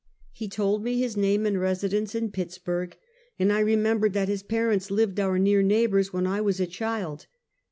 " He told me his nam.e and residence, in Pittsburg, and I remembered that his parents lived our near neighbors when I was a child.